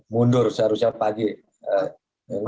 mundur seharusnya pagi ee